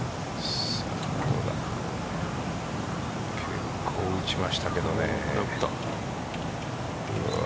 結構打ちましたけどね。